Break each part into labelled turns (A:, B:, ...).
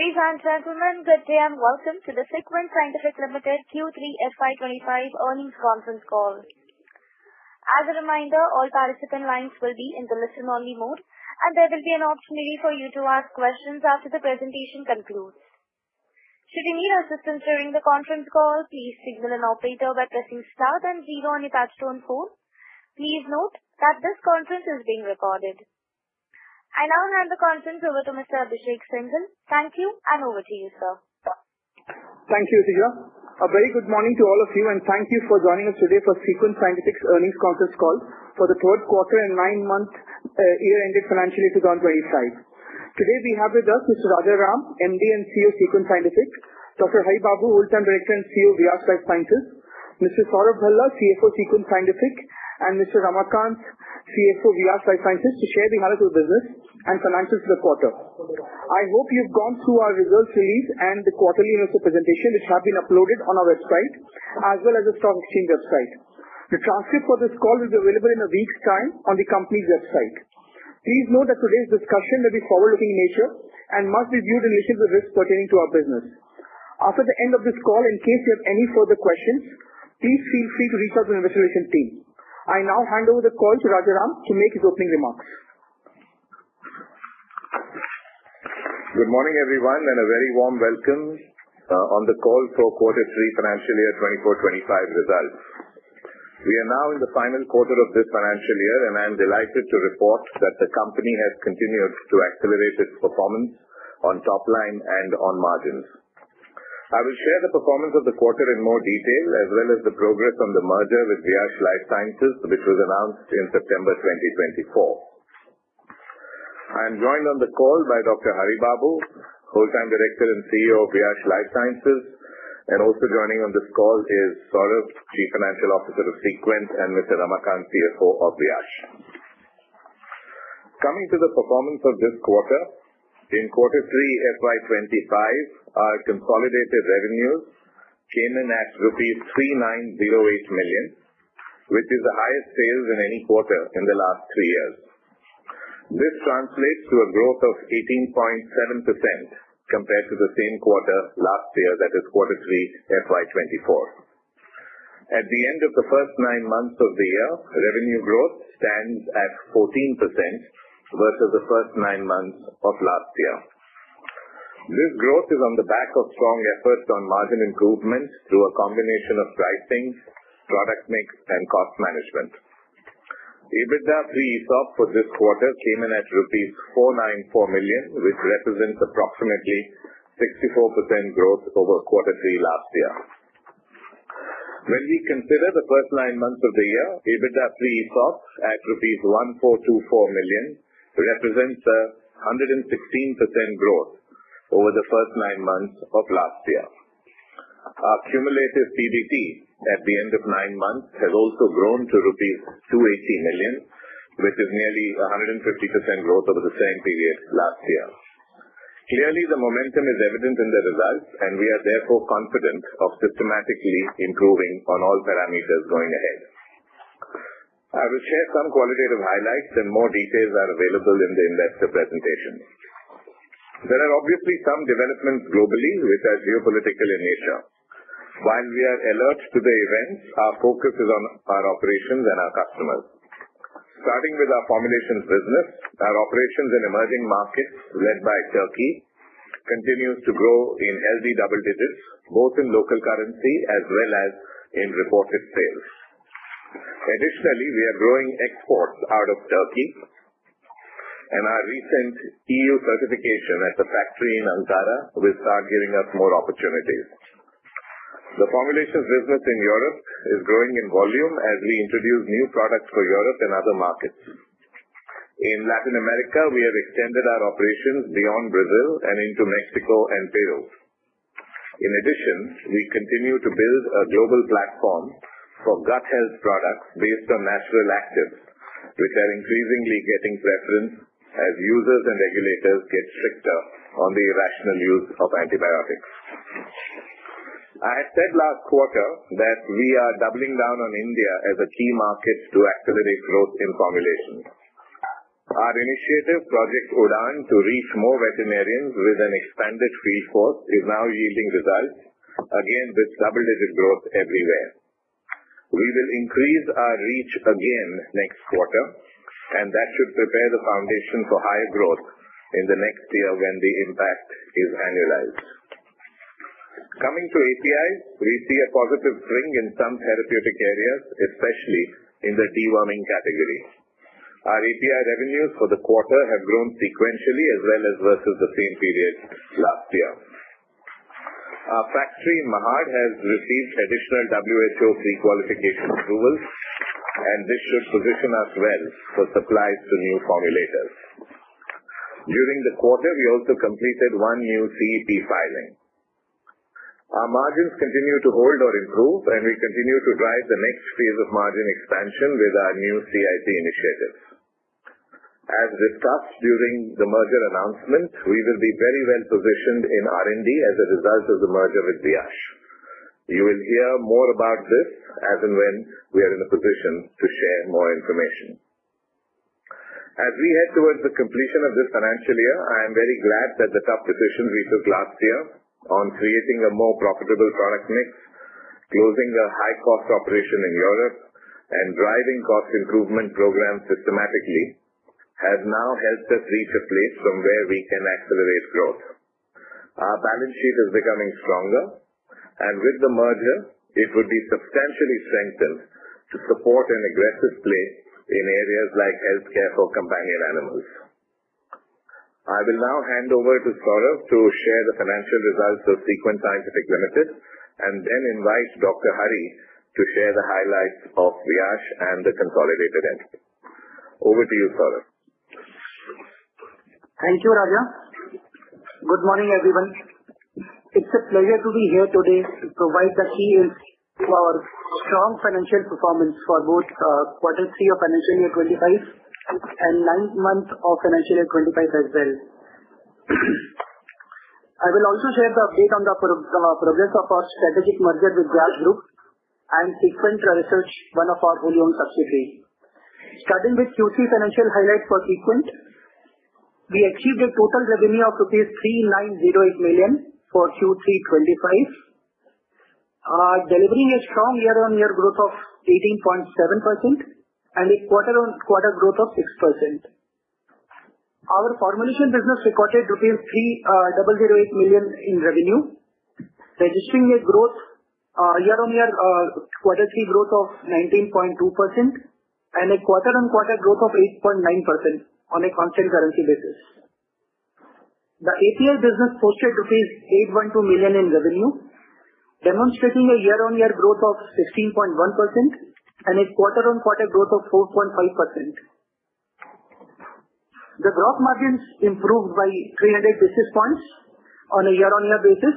A: Ladies and gentlemen, good day and welcome to the Sequent Scientific Limited Q3 FY 2025 earnings conference call. I now hand the conference over to Mr. Abhishek Singhal. Thank you, and over to you, sir.
B: Thank you, [Seema]. A very good morning to all of you, and thank you for joining us today for Sequent Scientific's earnings conference call for the third quarter and nine-month year-ended financially 2025. Today we have with us Mr. Rajaram, MD and CEO of Sequent Scientific, Dr. Haribabu, Whole-time Director and CEO of Viyash Life Sciences, Mr. Saurav Bhala, CFO of Sequent Scientific, and Mr. Ramakant, CFO of Viyash Lifesciences to share the highlights of business and finances for the quarter. I hope you've gone through our results release and the quarterly investor presentation which have been uploaded on our website, as well as the stock exchange website. The transcript for this call is available in a week's time on the company's website. Please note that today's discussion will be forward-looking in nature and must be viewed in relation to risks pertaining to our business. After the end of this call, in case you have any further questions, please feel free to reach out to the investor relations team. I now hand over the call to Rajaram to make his opening remarks.
C: Good morning, everyone, and a very warm welcome on the call for quarter three financial year 2024-2025 results. We are now in the final quarter of this financial year, and I'm delighted to report that the company has continued to accelerate its performance on top line and on margins. I will share the performance of the quarter in more detail, as well as the progress on the merger with Viyash Lifesciences, which was announced in September 2024. I am joined on the call by Dr. Haribabu, Whole-time Director and CEO of Viyash Lifesciences, and also joining on this call is Saurav, Chief Financial Officer of Sequent, and Mr. Ramakant, CFO of Viyash. Coming to the performance of this quarter. In quarter three FY 2025, our consolidated revenues came in at rupees 3,908 million, which is the highest sales in any quarter in the last three years. This translates to a growth of 18.7% compared to the same quarter last year, that is quarter three FY 2024. At the end of the first nine months of the year, revenue growth stands at 14% versus the first nine months of last year. This growth is on the back of strong efforts on margin improvements through a combination of pricing, product mix and cost management. EBITDA pre-ESOP for this quarter came in at rupees 494 million, which represents approximately 64% growth over quarter three last year. When we consider the first nine months of the year, EBITDA pre-ESOP at rupees 1,424 million represents 116% growth over the first nine months of last year. Our cumulative PBT at the end of nine months has also grown to rupees 280 million, which is nearly 150% growth over the same period last year. Clearly, the momentum is evident in the results, and we are therefore confident of systematically improving on all parameters going ahead. I will share some qualitative highlights, and more details are available in the investor presentation. There are obviously some developments globally which are geopolitical in nature. While we are alert to the events, our focus is on our operations and our customers. Starting with our formulations business, our operations in emerging markets led by Turkey continues to grow in healthy double digits, both in local currency as well as in reported sales. Additionally, we are growing exports out of Turkey and our recent EU certification at the factory in Ankara will start giving us more opportunities. The formulations business in Europe is growing in volume as we introduce new products for Europe and other markets. In Latin America, we have extended our operations beyond Brazil and into Mexico and Peru. In addition, we continue to build a global platform for gut health products based on natural actives, which are increasingly getting preference as users and regulators get stricter on the irrational use of antibiotics. I had said last quarter that we are doubling down on India as a key market to accelerate growth in formulations. Our initiative, Project Udaan, to reach more veterinarians with an expanded field force is now yielding results, again with double-digit growth everywhere. We will increase our reach again next quarter, and that should prepare the foundation for higher growth in the next year when the impact is annualized. Coming to APIs, we see a positive swing in some therapeutic areas, especially in the deworming category. Our API revenues for the quarter have grown sequentially as well as versus the same period last year. Our factory in Mahad has received additional WHO pre-qualification approvals and this should position us well for supplies to new formulators. During the quarter, we also completed one new CEP filing. Our margins continue to hold or improve, and we continue to drive the next phase of margin expansion with our new CIP initiatives. As discussed during the merger announcement, we will be very well-positioned in R&D as a result of the merger with Viyash. You will hear more about this as and when we are in a position to share more information. As we head towards the completion of this financial year, I am very glad that the tough decisions we took last year on creating a more profitable product mix, closing the high-cost operation in Europe, and driving cost improvement programs systematically, has now helped us reach a place from where we can accelerate growth. Our balance sheet is becoming stronger, and with the merger, it would be substantially strengthened to support an aggressive play in areas like healthcare for companion animals. I will now hand over to Saurav to share the financial results of Sequent Scientific Limited, and then invite Dr. Haribabu to share the highlights of Viyash and the consolidated entity. Over to you, Saurav.
D: Thank you, Raja. Good morning, everyone. It's a pleasure to be here today to provide the key to our strong financial performance for both quarter three of FY 2025 and ninth month of FY 2025 as well. I will also share the update on the progress of our strategic merger with Viyash Group and Sequent Research, one of our wholly-owned subsidiaries. Starting with Q3 financial highlights for Sequent. We achieved a total revenue of rupees 3,908 million for Q3 2025, delivering a strong year-over-year growth of 18.7% and a quarter-over-quarter growth of 6%. Our formulation business recorded rupees 3,008 million in revenue, registering a year-over-year quarter three growth of 19.2% and a quarter-over-quarter growth of 8.9% on a constant currency basis. The API business posted rupees 812 million in revenue, demonstrating a year-over-year growth of 16.1% and a quarter-over-quarter growth of 4.5%. The gross margins improved by 300 basis points on a year-on-year basis,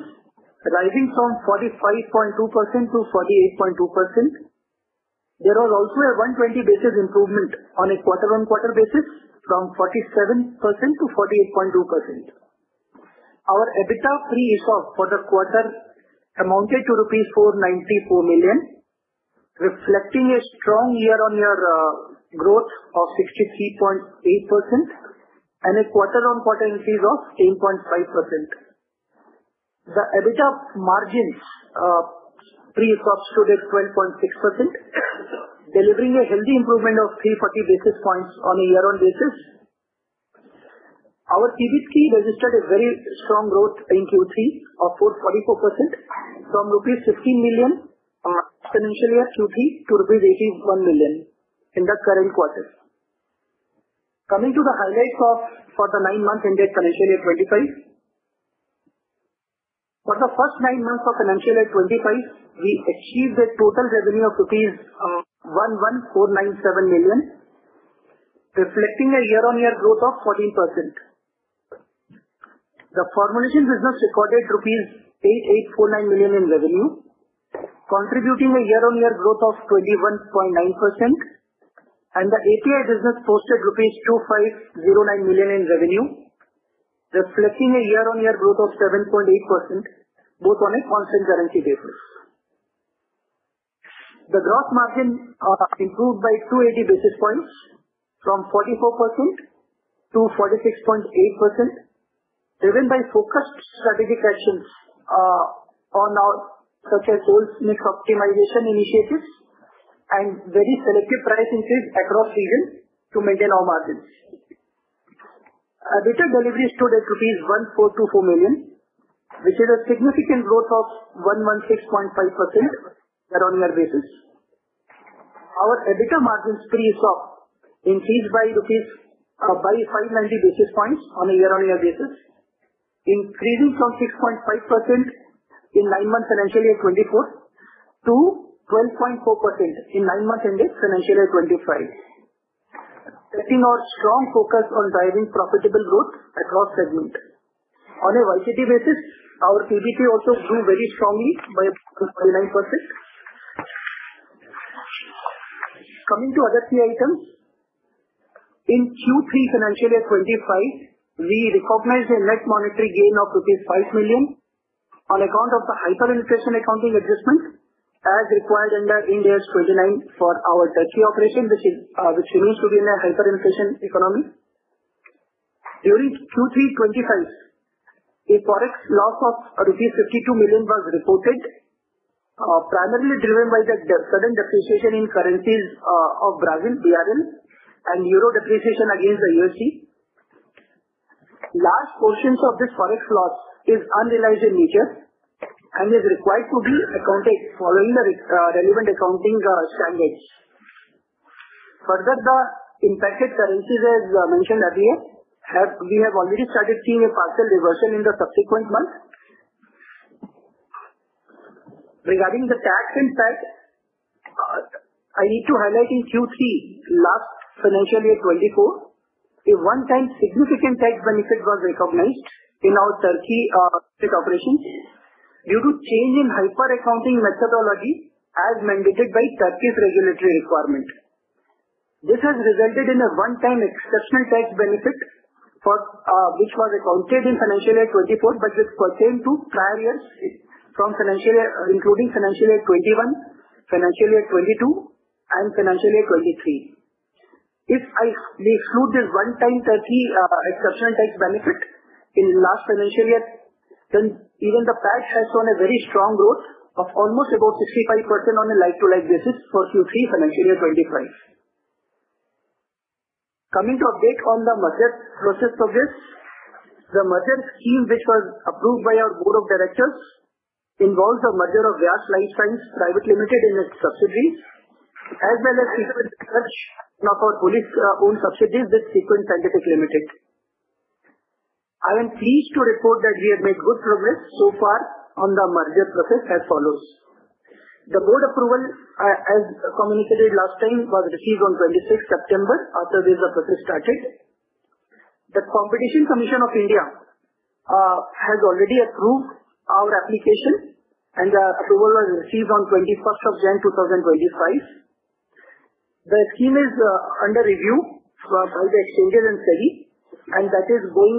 D: rising from 45.2% to 48.2%. There was also a 120 basis improvement on a quarter-on-quarter basis from 47% to 48.2%. Our EBITDA pre-ESOP for the quarter amounted to rupees 494 million, reflecting a strong year-on-year growth of 63.8% and a quarter-on-quarter increase of 8.5%. The EBITDA margins pre-ESOP stood at 12.6%, delivering a healthy improvement of 340 basis points on a year-on-year basis. Our PBT registered a very strong growth in Q3 of 444% from INR 15 million FY 2024 Q3 to rupees 81 million in the current quarter. Coming to the highlights for the nine months ended FY 2025. For the first nine months of FY 2025, we achieved a total revenue of rupees 11,497 million, reflecting a year-on-year growth of 14%. The formulation business recorded rupees 8,849 million in revenue, contributing a year-on-year growth of 21.9%, and the API business posted rupees 2,509 million in revenue, reflecting a year-on-year growth of 7.8%, both on a constant currency basis. The gross margin improved by 280 basis points from 44% to 46.8%, driven by focused strategic actions on our success goals, mix optimization initiatives, and very selective price increase across regions to maintain our margins. EBITDA deliveries stood at rupees 1,424 million, which is a significant growth of 116.5% year-on-year basis. Our EBITDA margins pre-ESOP increased by 590 basis points on a year-on-year basis, increasing from 6.5% in nine months financial year 2024 to 12.4% in nine months ended financial year 2025, setting our strong focus on driving profitable growth across segments. On a YoY Q2 basis, our PBT also grew very strongly by 49%. Coming to other key items. In Q3 FY 2025, we recognized a net monetary gain of rupees 5 million on account of the hyperinflation accounting adjustments as required under Ind AS 29 for our Turkey operation, which remains to be in a hyperinflation economy. During Q3 2025, a Forex loss of INR 52 million was reported, primarily driven by the sudden depreciation in currencies of BRL and EUR depreciation against the USD. Large portions of this Forex loss is unrealized in nature and is required to be accounted for following the relevant accounting standards. The impacted currencies, as mentioned earlier, we have already started seeing a partial reversal in the subsequent months. Regarding the tax impact, I need to highlight in Q3 last FY 2024, a one-time significant tax benefit was recognized in our Turkey operation due to change in hyper accounting methodology as mandated by Turkey's regulatory requirement. This has resulted in a one-time exceptional tax benefit for which was accounted in financial year 2024, but it pertained to prior years including financial year 2021, financial year 2022, and financial year 2023. If we exclude this one-time key exceptional tax benefit in last financial year, even the PAT has shown a very strong growth of almost about 65% on a like-to-like basis for Q3 financial year 2025. Coming to update on the merger process progress. The merger scheme which was approved by our board of directors involves the merger of Viyash Life Sciences Private Limited and its subsidiaries as well as integration of our wholly-owned subsidiaries with Sequent Scientific Limited. I am pleased to report that we have made good progress so far on the merger process as follows. The board approval, as communicated last time, was received on 26th September, after this, the process started. The Competition Commission of India has already approved our application. The approval was received on 21st of January, 2025. The scheme is under review by the exchanges and SEBI. That is going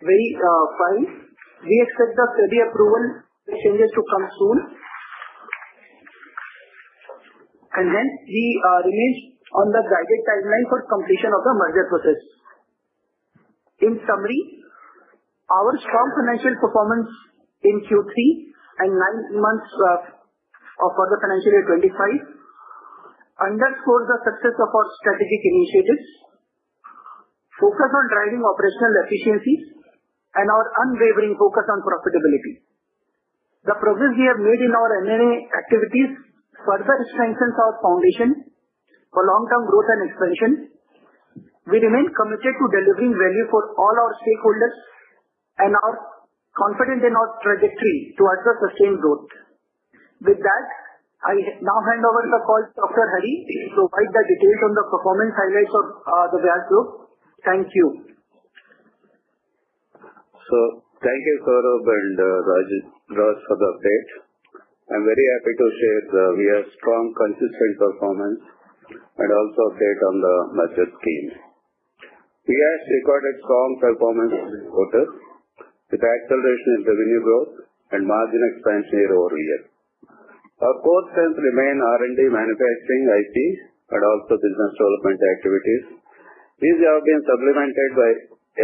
D: very fine. We expect the SEBI approval exchanges to come soon. Then we remain on the guided timeline for completion of the merger process. In summary, our strong financial performance in Q3 and nine months for the financial year 2025 underscores the success of our strategic initiatives, focus on driving operational efficiencies, and our unwavering focus on profitability. The progress we have made in our M&A activities further strengthens our foundation for long-term growth and expansion. We remain committed to delivering value for all our stakeholders and are confident in our trajectory to achieve sustained growth. With that, I now hand over the call to Dr. Hari to provide the details on the performance highlights of the Viyash Group. Thank you.
E: Thank you, Saurav and Rajaram for the update. I'm very happy to share the Viyash strong, consistent performance and also update on the merger scheme. Viyash recorded strong performance quarter with acceleration in revenue growth and margin expansion year-over-year. Our core strengths remain R&D, manufacturing, IT, and also business development activities. These have been supplemented by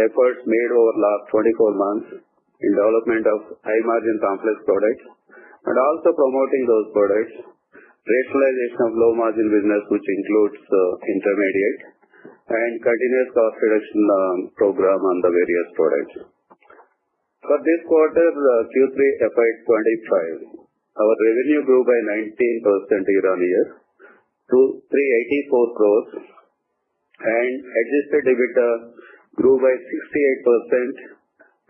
E: efforts made over last 24 months in development of high-margin complex products and also promoting those products, rationalization of low-margin business, which includes intermediate and continuous cost reduction program on the various products. For this quarter, Q3 FY 2025, our revenue grew by 19% year-on-year to 384 crores and Adjusted EBITDA grew by 68%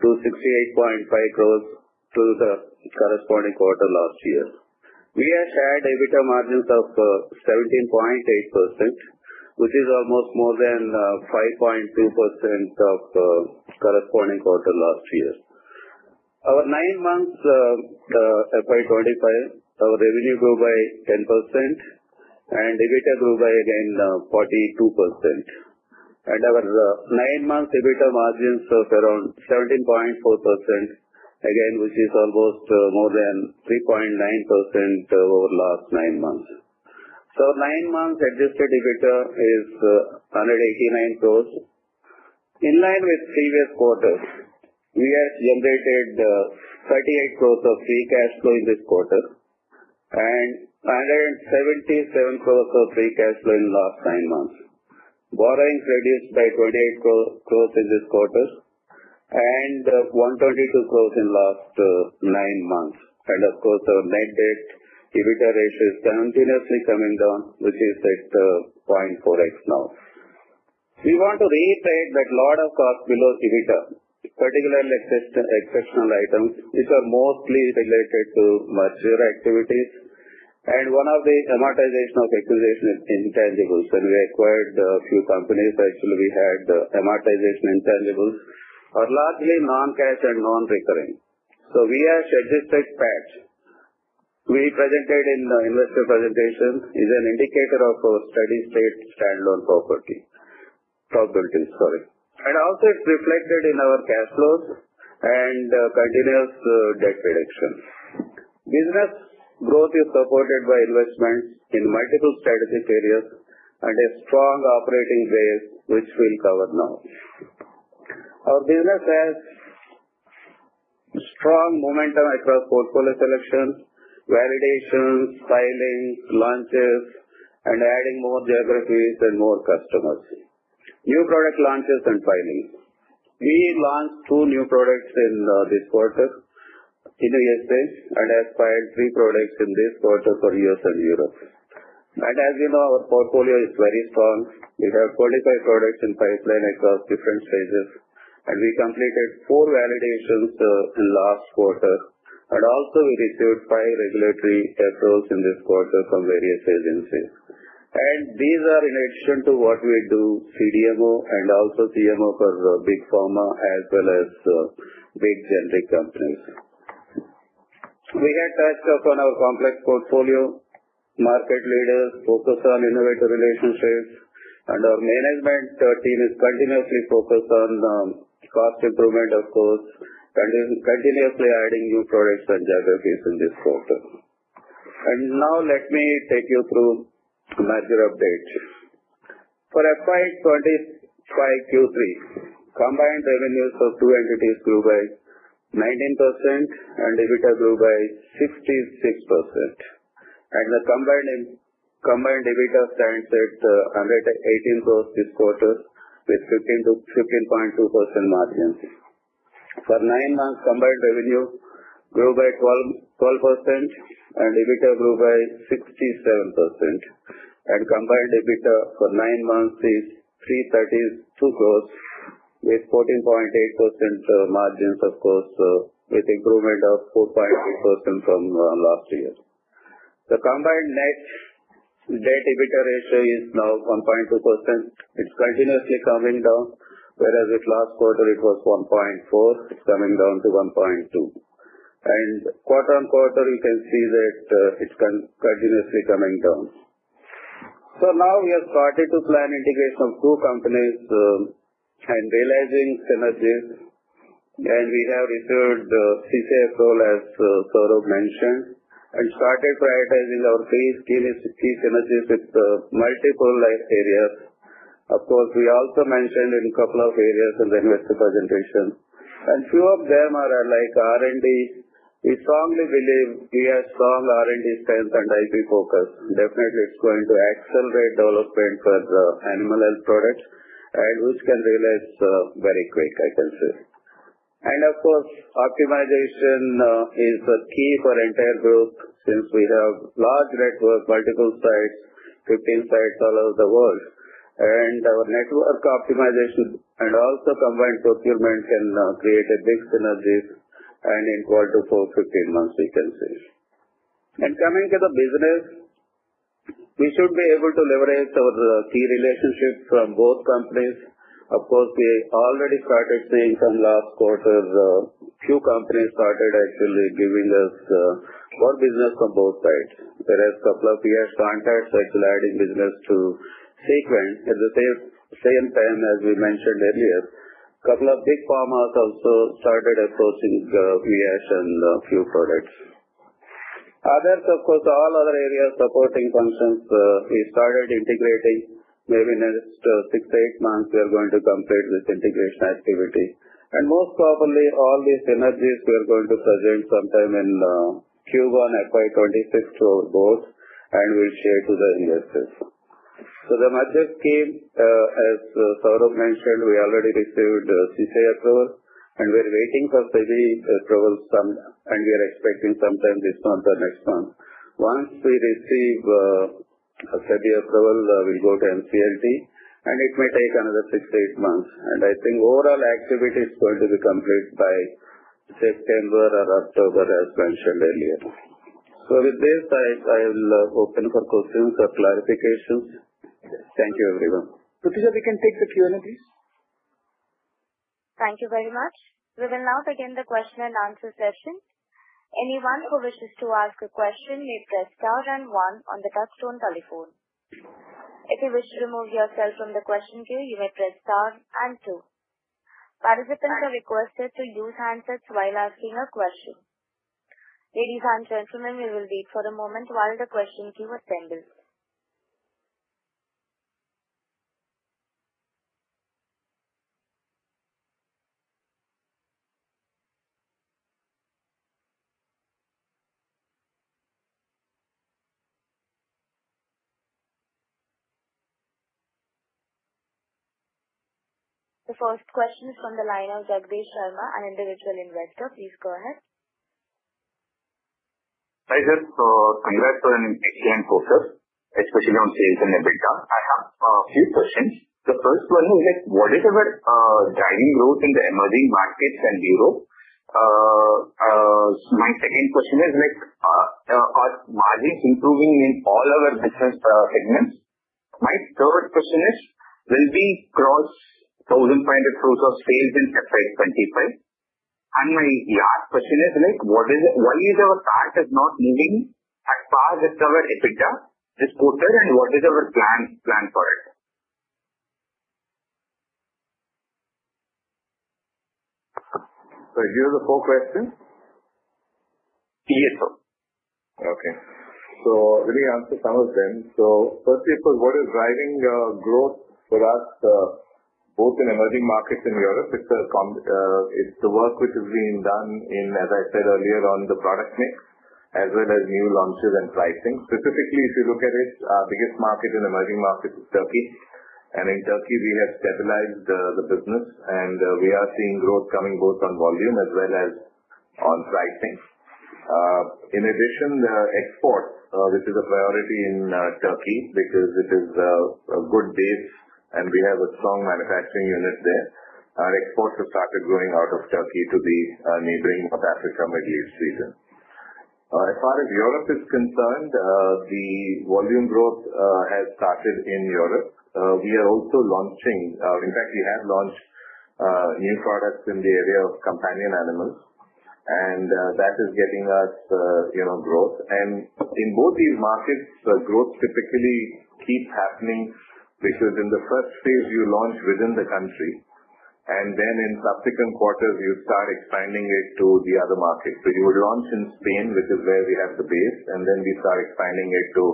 E: to 68.5 crores to the corresponding quarter last year. Viyash had EBITDA margins of 17.8%, which is almost more than 5.2% of corresponding quarter last year. Our nine months FY 2025, our revenue grew by 10% and EBITDA grew by again 42%. Our nine-month EBITDA margins of around 17.4%, again, which is almost more than 3.9% over last nine months. Nine months Adjusted EBITDA is 189 crore. In line with previous quarters, Viyash generated 38 crore of free cash flow in this quarter and 177 crore of free cash flow in last nine months. Borrowings reduced by 28 crore in this quarter and 122 crore in last nine months. Of course, our net debt EBITDA ratio is continuously coming down, which is at 0.4x now. We want to reiterate that a lot of costs below EBITDA, particularly exceptional items, which are mostly related to merger activities and one-off amortization of acquisition intangibles. When we acquired a few companies, actually amortization intangibles are largely non-cash and non-recurring. Viyash adjusted PAT we presented in the investor presentation is an indicator of our steady state standalone profitability. Profitability, sorry. Also it's reflected in our cash flows and continuous debt reduction. Business growth is supported by investments in multiple strategic areas and a strong operating base, which we'll cover now. Our business has strong momentum across portfolio selections, validations, filings, launches, and adding more geographies and more customers. New product launches and filings. We launched two new products in this quarter in the U.S. and have filed three products in this quarter for U.S. and Europe. As you know, our portfolio is very strong. We have 45 products in pipeline across different stages, and we completed four validations in last quarter and also we received five regulatory approvals in this quarter from various agencies. These are in addition to what we do CDMO and also CMO for big pharma as well as big generic companies. We have touched upon our complex portfolio, market leaders focus on innovative relationships, and our management team is continuously focused on cost improvement, of course, and is continuously adding new products and geographies in this quarter. Now let me take you through major updates. For FY 2025 Q3, combined revenues for two entities grew by 19% and EBITDA grew by 66%. The combined EBITDA stands at 118 crore this quarter with 15.2% margins. For nine months, combined revenue grew by 12% and EBITDA grew by 67%. Combined EBITDA for nine months is 332 crore with 14.8% margins, of course, with improvement of 4.3% from last year. The combined net debt/EBITDA ratio is now 1.2%. It's continuously coming down, whereas at last quarter it was 1.4%, it's coming down to 1.2%. Quarter on quarter, you can see that it's continuously coming down. Now we have started to plan integration of two companies and realizing synergies, and we have received CC approval, as Saurav mentioned, and started prioritizing our key synergies with multiple life areas. Of course, we also mentioned in a couple of areas in the investor presentation, few of them are like R&D. We strongly believe we have strong R&D strength and IP focus. Definitely, it's going to accelerate development for the animal health products and which can realize very quick, I can say. Of course, optimization is key for entire group since we have large network, multiple sites, 15 sites all over the world. Our network optimization and also combined procurement can create a big synergy in Q4, 15 months, we can say. Coming to the business, we should be able to leverage our key relationships from both companies. Of course, we already started seeing from last quarter, few companies started actually giving us more business from both sides. Whereas couple of years contracts actually adding business to Sequent. At the same time, as we mentioned earlier, couple of big pharmas also started approaching Viyash on a few products. Others, of course, all other areas, supporting functions we started integrating. Maybe in the next six to eight months, we are going to complete this integration activity. Most probably all these synergies we are going to present sometime in Q1 FY 2026 to our board, and we'll share to the investors. The merger scheme, as Saurav mentioned, we already received CC approval, and we're waiting for SEBI approval and we are expecting sometime this month or next month. Once we receive SEBI approval, we'll go to NCLT, and it may take another six to eight months. I think overall activity is going to be complete by September or October, as mentioned earlier. With this, I will open for questions or clarifications. Thank you, everyone.
B: Pratisha, we can take the Q&A, please.
A: Thank you very much. We will now begin the question and answer session. Anyone who wishes to ask a question may press star and one on the touchtone telephone. If you wish to remove yourself from the question queue, you may press star and two. Participants are requested to use handsets while asking a question. Ladies and gentlemen, we will wait for a moment while the question queue is tended. The first question is from the line of Jagdish Sharma, an individual investor. Please go ahead.
F: Hi, guys. Congrats on excellent quarter, especially on sales and EBITDA. I have a few questions. The first one is that what is our driving growth in the emerging markets and Europe? My second question is, are margins improving in all our business segments? My third question is, will we cross 1,500 crores of sales in FY 2025? My last question is why is our stock not moving as per our EBITDA this quarter, and what is our plan for it?
C: These are the four questions?
F: Yes, sir.
E: Let me answer some of them. Firstly, for what is driving growth for us both in emerging markets and Europe, it's the work which is being done in, as I said earlier, on the product mix as well as new launches and pricing. Specifically, if you look at it, our biggest market in emerging markets is Turkey. In Turkey, we have stabilized the business, and we are seeing growth coming both on volume as well as on pricing. In addition, export, which is a priority in Turkey because it is a good base and we have a strong manufacturing unit there. Our exports have started growing out of Turkey to the neighboring North Africa, Middle East region. As far as Europe is concerned, the volume growth has started in Europe. In fact, we have launched
C: New products in the area of companion animals, that is getting us growth. In both these markets, growth typically keeps happening because in the first phase, you launch within the country, then in subsequent quarters, you start expanding it to the other markets. You would launch in Spain, which is where we have the base, then we start expanding it to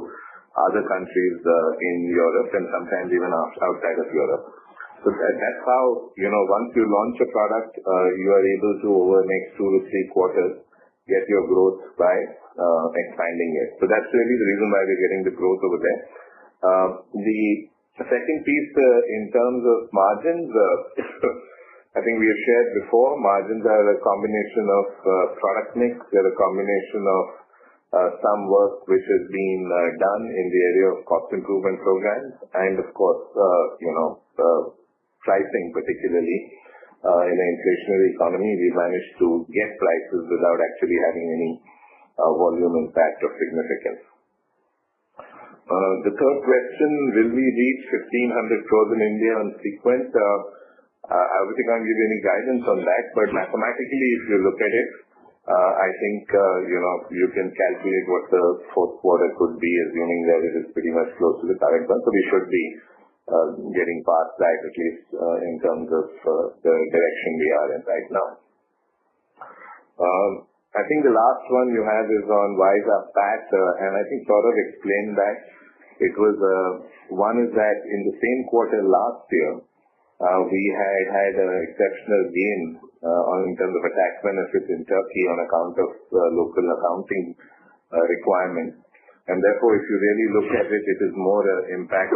C: other countries in Europe and sometimes even outside of Europe. That's how once you launch a product, you are able to, over the next two to three quarters, get your growth by expanding it. That's really the reason why we're getting the growth over there. The second piece, in terms of margins, I think we have shared before, margins are a combination of product mix, they're a combination of some work which has been done in the area of Cost Improvement Programs, and of course, pricing particularly. In an inflationary economy, we managed to get prices without actually having any volume impact of significance. The third question, will we reach 1,500 crores in India on Sequent Scientific? I wouldn't want to give any guidance on that, but mathematically, if you look at it, I think you can calculate what the fourth quarter could be, assuming that it is pretty much close to the current one. We should be getting past that, at least in terms of the direction we are in right now. I think the last one you had is on why the PAT, and I think Saurav explained that. One is that in the same quarter last year, we had had an exceptional gain in terms of a tax benefit in Turkey on account of local accounting requirements. Therefore, if you really look at it is more an impact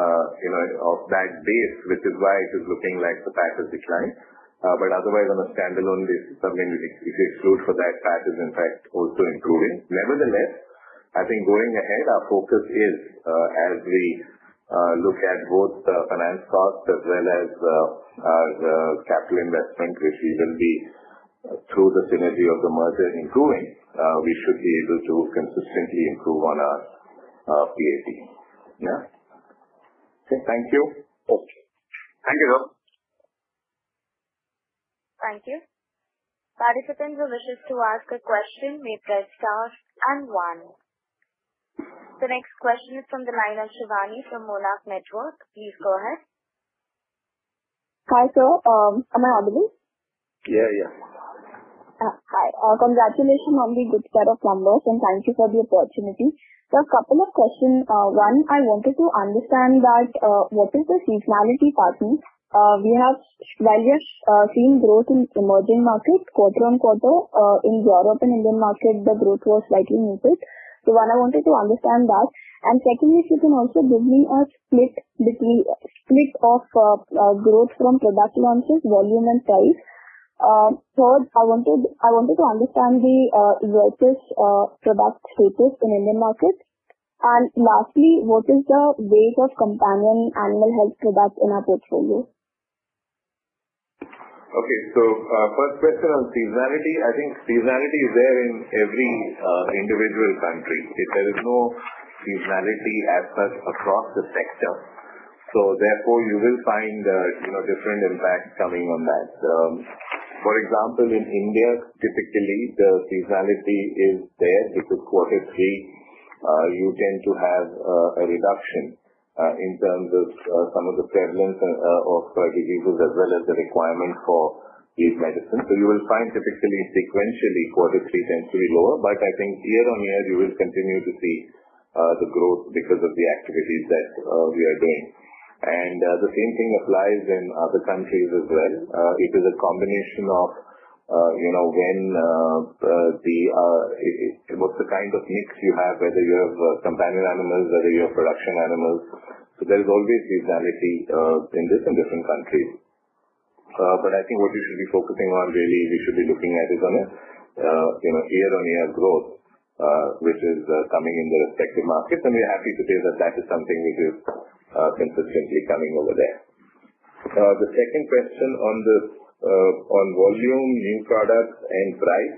C: of that base, which is why it is looking like the PAT is declining. Otherwise, on a standalone basis, I mean, if you exclude for that, PAT is in fact also improving. Nevertheless, I think going ahead, our focus is, as we look at both the finance costs as well as the capital investment, which we will be through the synergy of the merger improving, we should be able to consistently improve on our PAT. Yeah. Okay. Thank you.
F: Okay. Thank you.
A: Thank you. Participants who wishes to ask a question may press star and one. The next question is from the line of Shivani from Monarch Networth. Please go ahead.
G: Hi, sir. Am I audible?
C: Yeah.
G: Hi. Congratulations on the good set of numbers, and thank you for the opportunity. Sir, a couple of questions. One, I wanted to understand that what is the seasonality pattern. While you have seen growth in emerging markets quarter-on-quarter, in Europe and Indian market, the growth was slightly muted. One, I wanted to understand that. Secondly, if you can also give me a split of growth from product launches, volume, and price. Third, I wanted to understand the Zoetis product status in Indian markets. Lastly, what is the weight of companion animal health products in our portfolio?
C: Okay. First question on seasonality. I think seasonality is there in every individual country. There is no seasonality as such across the sector. Therefore, you will find different impacts coming on that. For example, in India, typically, the seasonality is there because quarterly, you tend to have a reduction in terms of some of the prevalence of diseases as well as the requirement for these medicines. You will find typically, sequentially, quarter three tends to be lower, but I think year-on-year, you will continue to see the growth because of the activities that we are doing. The same thing applies in other countries as well. It is a combination of the kind of mix you have, whether you have companion animals, whether you have production animals. There is always seasonality in this in different countries. I think what you should be focusing on, really, we should be looking at is on a year-on-year growth, which is coming in the respective markets, and we are happy to say that is something which is consistently coming over there. The second question on volume, new products, and price.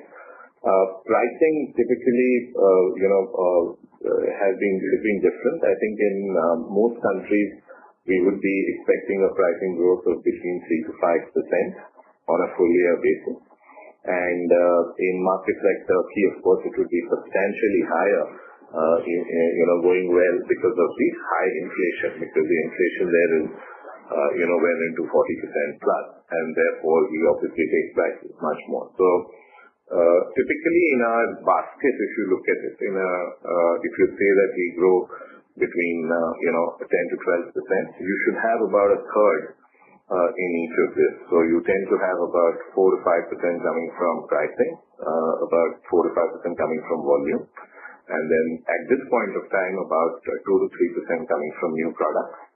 C: Pricing typically has been different. I think in most countries, we would be expecting a pricing growth of between 3%-5% on a full year basis. In markets like Turkey, of course, it would be substantially higher, going well because of the high inflation, because the inflation there is well into 40% plus, and therefore, we obviously take prices much more. Typically, in our basket, if you look at it, if you say that we grow between 10%-12%, you should have about a third in each of this. You tend to have about 4%-5% coming from pricing, about 4%-5% coming from volume, then at this point of time, about 2%-3% coming from new products.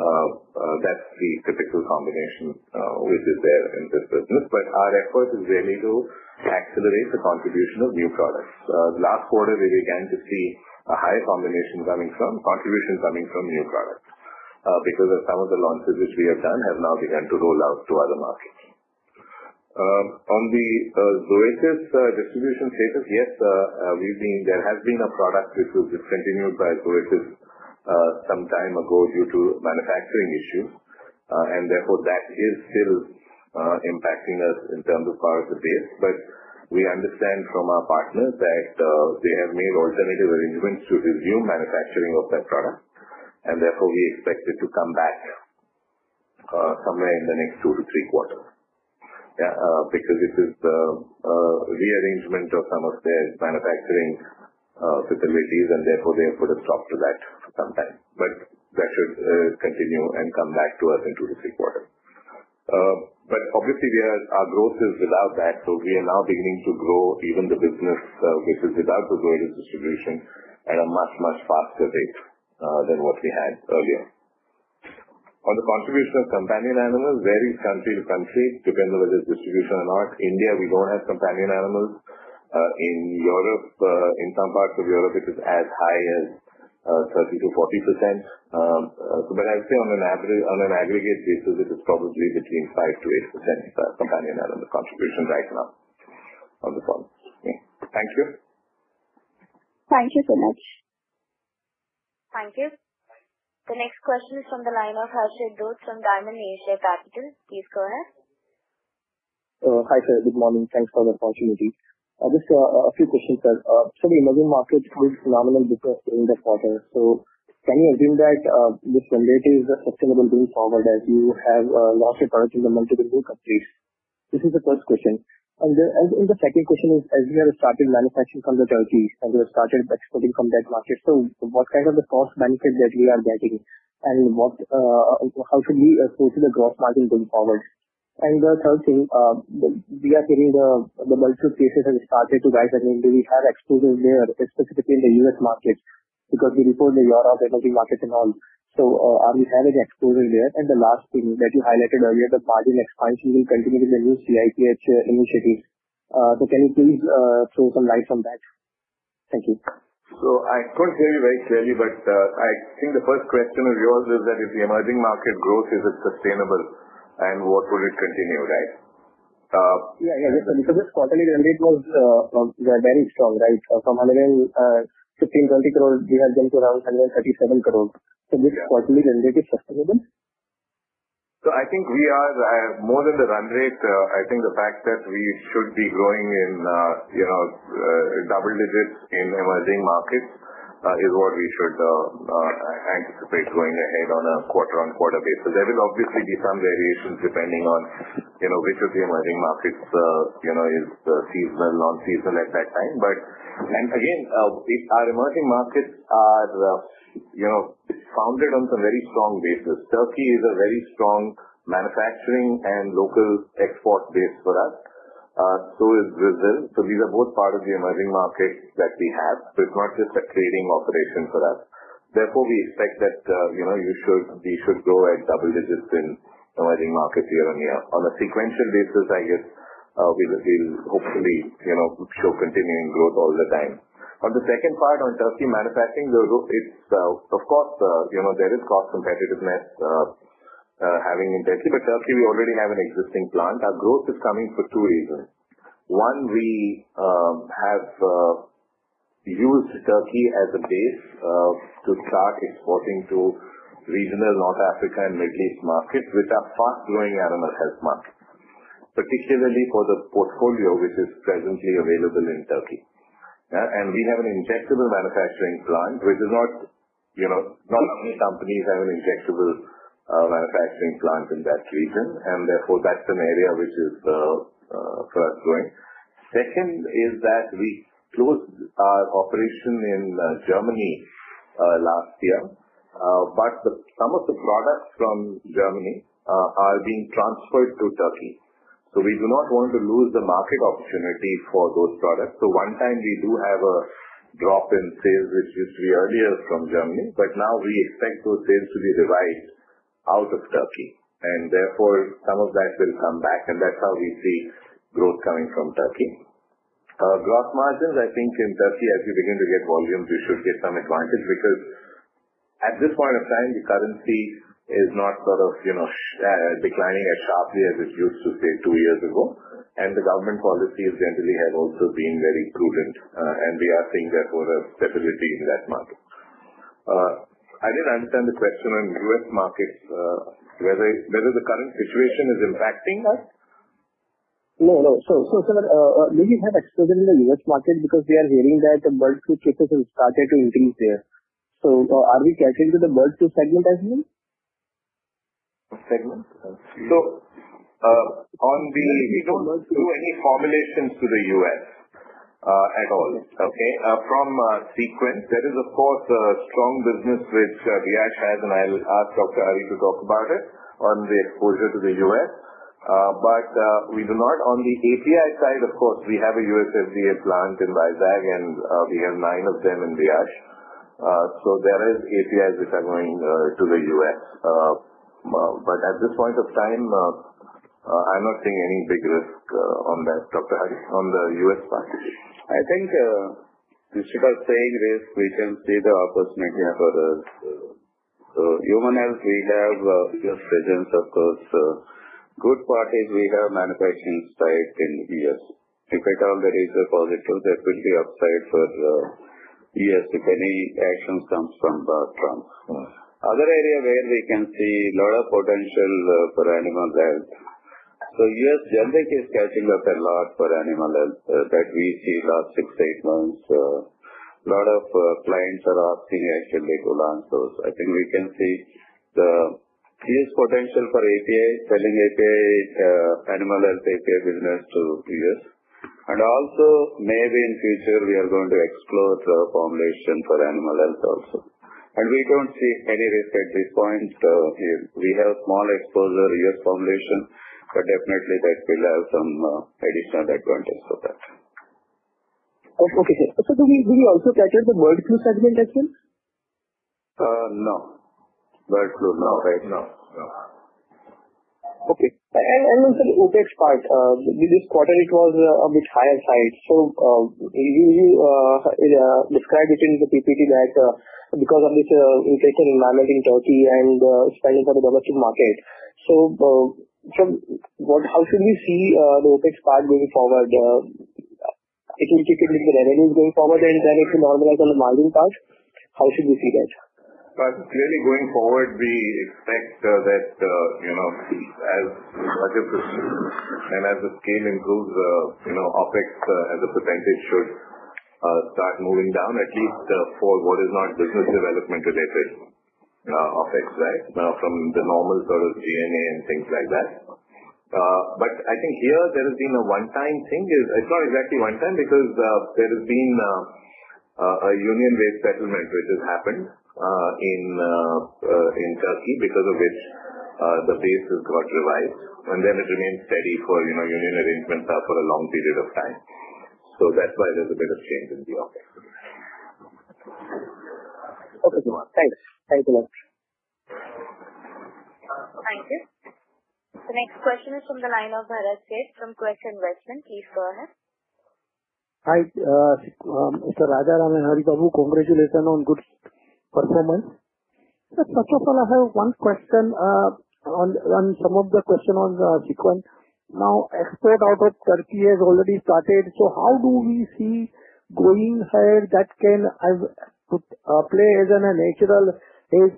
C: That's the typical combination which is there in this business. Our effort is really to accelerate the contribution of new products. Last quarter, we began to see a higher contribution coming from new products because of some of the launches which we have done have now begun to roll out to other markets. On the Zoetis distribution status, yes, there has been a product which was discontinued by Zoetis some time ago due to manufacturing issues. Therefore that is still impacting us in terms of product base. We understand from our partners that they have made alternative arrangements to resume manufacturing of that product, and therefore we expect it to come back somewhere in the next two to three quarters. This is the rearrangement of some of their manufacturing facilities, and therefore they have put a stop to that for some time. That should continue and come back to us in two to three quarters. Obviously, our growth is without that. We are now beginning to grow even the business which is without the growth distribution at a much, much faster rate than what we had earlier. On the contribution of companion animals, varies country to country, depending on whether it's distribution or not. India, we don't have companion animals. In some parts of Europe it is as high as 30%-40%. I would say on an aggregate basis, it is probably between 5% to 8% for companion animal contribution right now of the problem. Thank you.
G: Thank you so much.
A: Thank you. The next question is from the line of Harshad Dhot from Dymon Asia Capital. Please go ahead.
H: Hi, sir. Good morning. Thanks for the opportunity. Just a few questions, sir. Some emerging markets grew phenomenally during that quarter. Can we assume that this trend is sustainable going forward as you have launched your products into the multiple new countries? This is the first question. The second question is, as we have started manufacturing from Turkey and we have started exporting from that market, what kind of cost benefit that we are getting and how should we approach the gross margin going forward? The third thing, we are hearing the bird flu cases have started to rise again. Do we have exposure there, specifically in the U.S. market? Because we report the Europe emerging markets and all. Are we having exposure there? The last thing that you highlighted earlier, the margin expansion will continue in the new CIP initiatives. Can you please throw some light on that? Thank you.
C: I couldn't hear you very clearly, but I think the first question of yours is that if the emerging market growth, is it sustainable, and what would it continue, right?
H: Yeah. This quarterly run rate was very strong, right? From 115 crore-120 crore, we have jumped to around 137 crore. This quarterly run rate is sustainable?
C: I think more than the run rate, I think the fact that we should be growing in double digits in emerging markets is what we should anticipate going ahead on a quarter-on-quarter basis. There will obviously be some variations depending on which of the emerging markets is seasonal, non-seasonal at that time. Again, our emerging markets are founded on some very strong bases. Turkey is a very strong manufacturing and local export base for us. So is Brazil. These are both part of the emerging markets that we have. It's not just a creating operation for us. Therefore, we expect that we should grow at double digits in emerging markets year-on-year. On a sequential basis, I guess we'll hopefully show continuing growth all the time. On the second part on Turkey manufacturing, the growth itself, of course, there is cost competitiveness having in Turkey. Turkey, we already have an existing plant. Our growth is coming for two reasons. One, we have used Turkey as a base to start exporting to regional North Africa and Middle East markets, which are fast-growing animal health markets, particularly for the portfolio which is presently available in Turkey. We have an injectable manufacturing plant, which not many companies have an injectable manufacturing plant in that region, and therefore that's an area which is fast-growing. Second is that we closed our operation in Germany last year. Some of the products from Germany are being transferred to Turkey. We do not want to lose the market opportunity for those products. One time we do have a drop in sales, which is earlier from Germany. Now we expect those sales to be revived out of Turkey. Therefore some of that will come back. That's how we see growth coming from Turkey. Gross margins, I think in Turkey, as we begin to get volumes, we should get some advantage because at this point of time, the currency is not sort of declining as sharply as it used to, say, two years ago. The government policy generally has also been very prudent. We are seeing, therefore, a stability in that market. I didn't understand the question on U.S. markets, whether the current situation is impacting us.
H: No, no. Sir, do we have exposure in the U.S. market because we are hearing that the bird flu cases have started to increase there. Are we catering to the bird flu segment as well?
C: What segment? We don't do any formulations to the U.S. at all. Okay. From Sequent, there is of course, a strong business which Viyash has, and I'll ask Dr. Hari to talk about it on the exposure to the U.S. We do not. On the API side, of course, we have a USFDA plant in Vizag, and we have nine of them in Viyash. There is APIs which are going to the U.S. At this point of time, I'm not seeing any big risk on that, Dr. Hari, on the U.S. market.
E: I think instead of saying risk, we can see the opportunity for us. Human health, we have U.S. presence, of course. Good part is we have manufacturing site in U.S. If at all there is a positive, that will be upside for U.S., if any actions comes from Trump. Other area where we can see lot of potential for animal health. U.S. generally is catching up a lot for animal health. That we see last six, eight months, lot of clients are opting actually to launch those. I think we can see the huge potential for API, selling API, animal health API business to U.S. Also maybe in future we are going to explore formulation for animal health also. We don't see any risk at this point. We have small exposure U.S. formulation, but definitely that will have some additional advantages for that.
H: Okay. Sir, do we also cater the bird flu segment as well?
E: No. Bird flu, no. Right now, no.
H: Okay. Also the OpEx part. This quarter it was a bit higher side. You described it in the PPT that because of this inflation environment in Turkey and spending for the domestic market. How should we see the OpEx part going forward? It will typically get revenues going forward and then it will normalize on the margin part. How should we see that?
C: Clearly going forward, we expect that as budgets are approved and as the scale improves, OpEx as a percentage should start moving down, at least for what is not business development related OpEx, from the normal sort of G&A and things like that. I think here there has been a one-time thing. It's not exactly one time because there has been a union-based settlement which has happened in Turkey because of which the base has got revised and then it remains steady, for union arrangements are for a long period of time. That's why there's a bit of change in the OpEx.
H: Okay, [Kumar]. Thanks. Thanks a lot.
A: Thank you. The next question is from the line of Bharat Sheth from Quest Investment. Please go ahead.
I: Hi, Mr. Rajaram and Haribabu. Congratulations on good performance. Sir, first of all, I have one question on some of the question on the Sequent. Export out of Turkey has already started, how do we see going ahead that can play as a natural hedge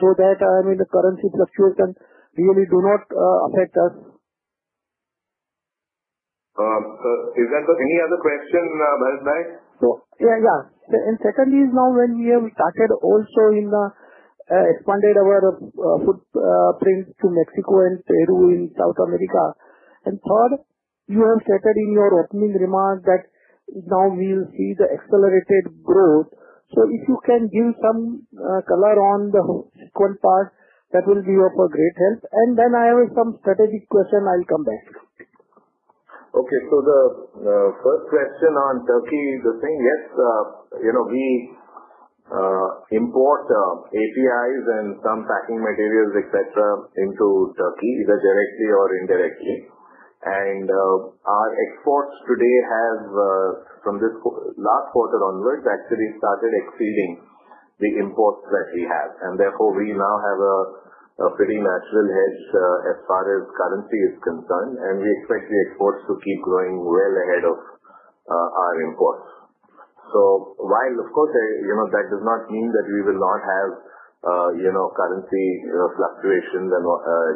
I: so that the currency fluctuations really do not affect us?
C: Is there any other question, Bharat, by?
I: Yeah. Secondly is now when we have started also in expanded our footprints to Mexico and Peru in South America. Third, you have stated in your opening remarks that now we'll see the accelerated growth. If you can give some color on the Sequent part, that will be of a great help. I have some strategic question, I'll come back to.
C: Okay. The first question on Turkey, the thing, yes. We import APIs and some packing materials, et cetera, into Turkey, either directly or indirectly. Our exports today have, from this last quarter onwards, actually started exceeding the imports that we have. Therefore, we now have a pretty natural hedge as far as currency is concerned, and we expect the exports to keep growing well ahead of our imports. While of course, that does not mean that we will not have currency fluctuations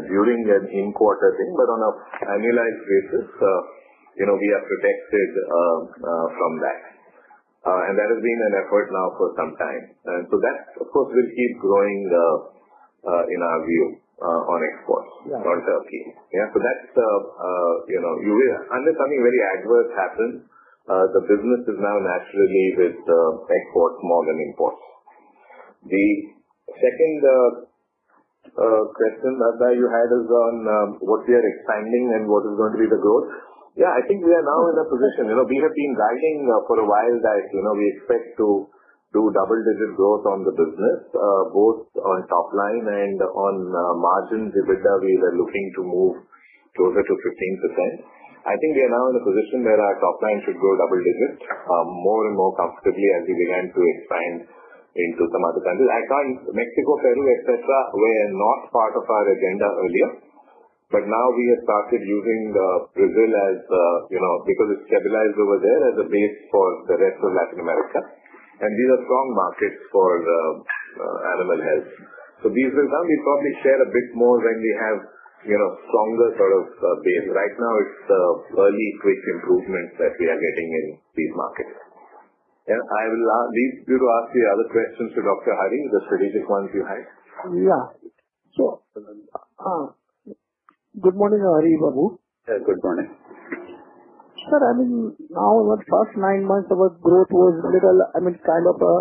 C: during an import or thing, but on an annualized basis, we are protected from that. That has been an effort now for some time. That, of course, will keep growing in our view on exports for Turkey.
I: Right.
C: Yeah. Unless something very adverse happens, the business is now naturally with exports more than imports. The second question that you had is on what we are expanding and what is going to be the growth. Yeah, I think we are now in a position. We have been guiding for a while that we expect to do double-digit growth on the business, both on top line and on margins. EBITDA, we were looking to move closer to 15%. I think we are now in a position where our top line should grow double digits more and more comfortably as we begin to expand into some other countries. Mexico, Peru, et cetera, were not part of our agenda earlier, but now we have started using Brazil as, because it's stabilized over there, as a base for the rest of Latin America. These are strong markets for animal health. These will come. We'll probably share a bit more when we have stronger sort of base. It's early quick improvements that we are getting in these markets. I will leave you to ask your other questions to Dr. Hari, the strategic ones you had.
I: Yeah. Good morning, Haribabu.
E: Yeah, good morning.
I: Sir, our first nine months our growth was little, kind of a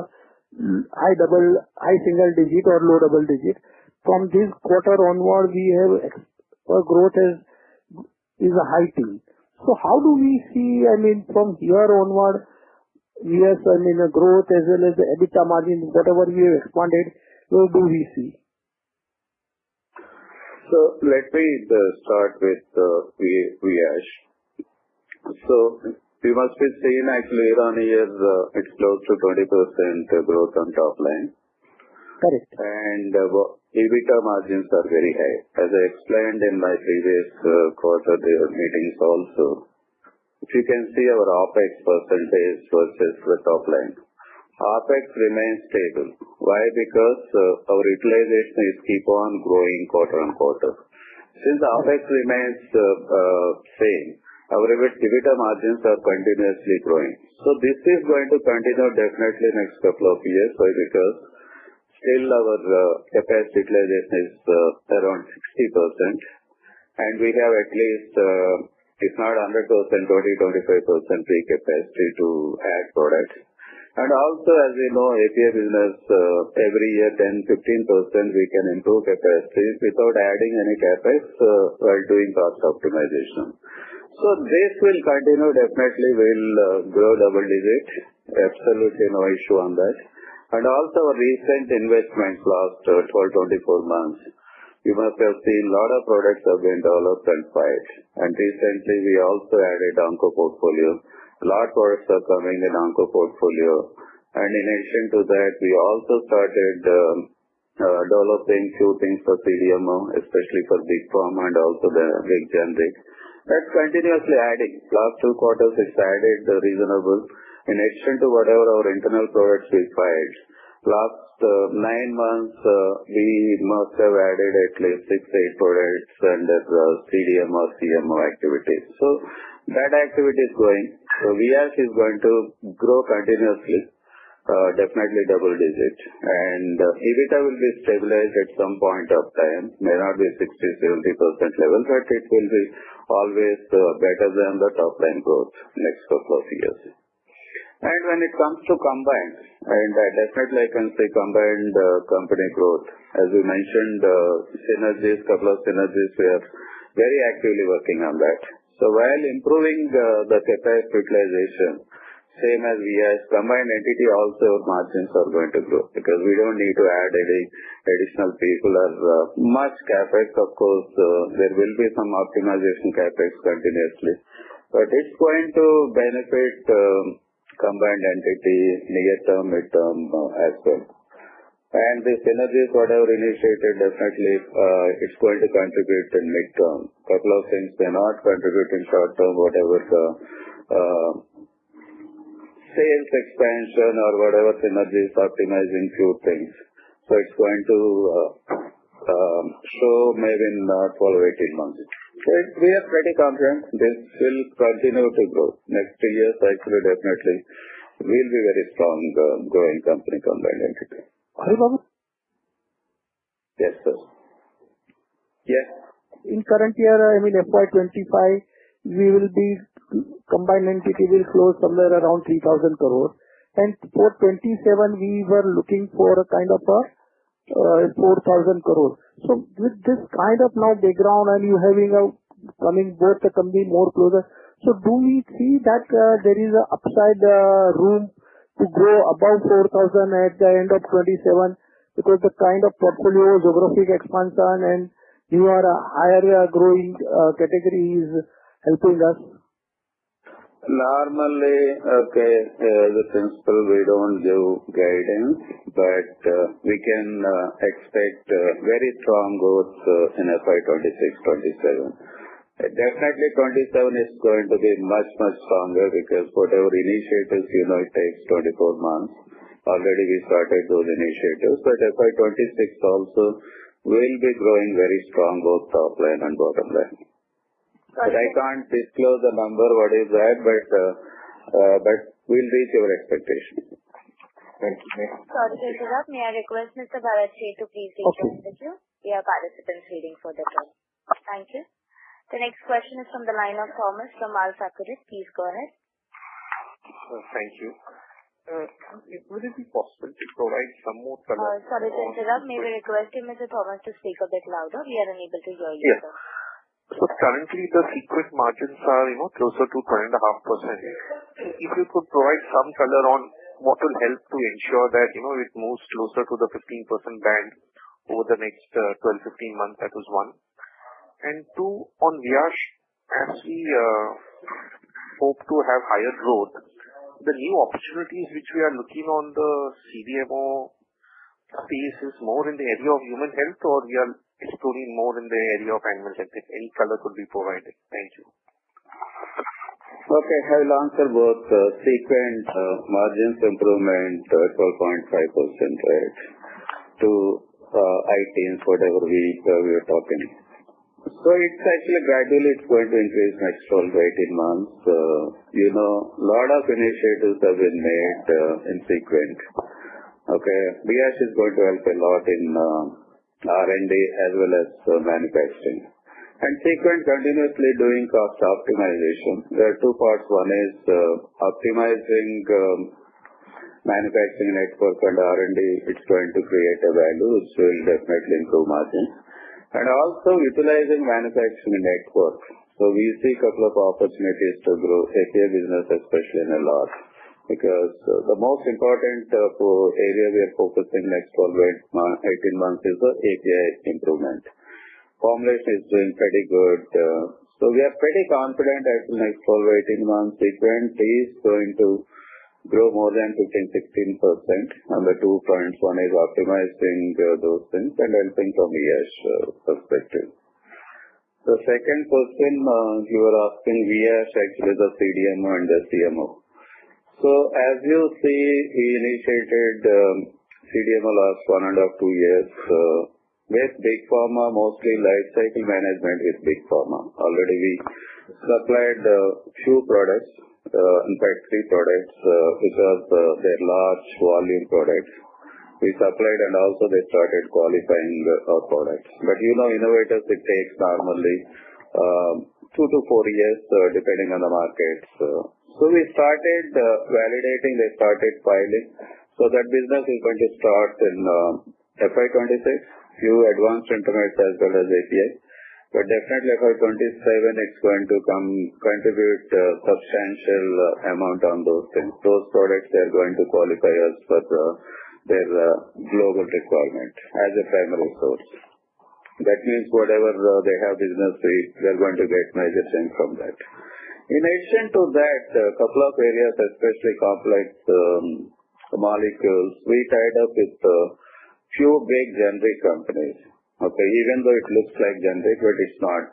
I: high single digit or low double digit. From this quarter onward our growth is high teen. How do we see, from here onward, years and growth as well as the EBITDA margin, whatever you expanded, how do we see?
E: Let me start with Viyash. You must be seeing actually year-on-year it's close to 20% growth on top line.
I: Correct.
E: EBITDA margins are very high, as I explained in my previous quarter meetings also. If you can see our OpEx percentage versus the top line. OpEx remains stable. Why? Because our utilization keeps on growing quarter-on-quarter. Since OpEx remains the same, our EBITDA margins are continuously growing. This is going to continue definitely next couple of years. Why? Because still our capacity utilization is around 60% and we have at least, if not 100%, 20%-25% free capacity to add product. Also as we know, API business, every year 10%-15% we can improve capacities without adding any CapEx while doing cost optimization. This will continue. Definitely we'll grow double digits. Absolutely no issue on that. Also our recent investments last 12 to 24 months. You must have seen a lot of products have been developed and filed, and recently we also added onco portfolio. A lot of products are coming in Onco portfolio. In addition to that, we also started developing few things for CDMO, especially for big pharma and also the generic. That's continuously adding. Last two quarters it's added reasonable. In addition to whatever our internal products we filed, last nine months, we must have added at least six to eight products under CDMO, CMO activities. That activity is going. Viyash is going to grow continuously, definitely double digits. EBITDA will be stabilized at some point of time. May not be 60%-70% level, but it will be always better than the top line growth next couple of years. When it comes to combined, and definitely I can say combined company growth. As we mentioned, couple of synergies we are very actively working on that. While improving the capacity utilization, same as Viyash, combined entity also our margins are going to grow because we don't need to add any additional people or much CapEx. Of course, there will be some optimization CapEx continuously, but it's going to benefit combined entity near term, mid-term as well. The synergies whatever initiated, definitely it's going to contribute in mid-term. Couple of things may not contribute in short-term, whatever sales expansion or whatever synergies optimizing few things. It's going to show maybe in 12-18 months. We are pretty confident this will continue to grow next two years. Actually, definitely we'll be very strong growing company, combined entity.
I: Haribabu.
E: Yes, sir. Yes.
I: In current year, I mean FY 2025, combined entity will close somewhere around 3,000 crores. For 2027, we were looking for a kind of a 4,000 crores. With this kind of now background and you having both the company more closer, do we see that there is a upside room to grow above 4,000 crores at the end of 2027 because the kind of portfolio, geographic expansion and your higher growing category is helping us?
E: Normally, as a principle, we don't do guidance, but we can expect very strong growth in FY 2026, 2027. Definitely 2027 is going to be much stronger because whatever initiatives, it takes 24 months. Already we started those initiatives, but FY 2026 also will be growing very strong, both top line and bottom line.
I: Got it.
E: I can't disclose the number what is that, but we'll reach your expectation.
I: Thank you.
A: Sorry to interrupt. May I request Mr. Bharat to please take your mic? We have participants waiting for their turn. Thank you. The next question is from the line of Thomas from [R.S. Akrit]. Please go ahead.
J: Thank you. Would it be possible to provide some more color?
A: Sorry to interrupt. May I request you, Mr. Thomas, to speak a bit louder? We are unable to hear you, sir.
J: Yes. Currently the Sequent margins are closer to 12.5%. If you could provide some color on what will help to ensure that it moves closer to the 15% band over the next 12 to 15 months. That was one. Two, on Viyash, as we hope to have higher growth, the new opportunities which we are looking on the CDMO space is more in the area of human health, or we are exploring more in the area of animal health? If any color could be provided. Thank you.
E: Okay. I will answer both Sequent margins improvement, 12.5% to high teens, whatever we were talking. It's actually gradually going to increase next 12 to 18 months. Lot of initiatives have been made in Sequent. Viyash is going to help a lot in R&D as well as manufacturing. Sequent continuously doing cost optimization. There are two parts. One is optimizing manufacturing networks and R&D, which is going to create a value, which will definitely improve margins, and also utilizing manufacturing network. We see couple of opportunities to grow API business especially in the U.S. Because the most important area we are focusing next 12, 18 months is the API improvement. Formulation is doing pretty good. We are pretty confident that in the next 12 or 18 months, Sequent is going to grow more than 15%, 16%. The two points, one is optimizing those things and helping from Viyash perspective. The second question, you were asking Viyash actually the CDMO and the CMO. As you see, we initiated CDMO last one and a half, two years. With big pharma, mostly life cycle management is big pharma. Already we supplied few products, in fact, three products, which are their large volume products. We supplied and also they started qualifying our products. You know, innovators, it takes normally two to four years, depending on the markets. We started validating, they started filing. That business is going to start in FY 2026, few advanced intermediates as well as APIs. Definitely FY 2027, it's going to contribute a substantial amount on those things. Those products, they're going to qualify us for their global requirement as a primary source. That means whatever they have business, we're going to get major share from that. In addition to that, a couple of areas, especially complex molecules, we tied up with few big generic companies. Even though it looks like generic, but it's not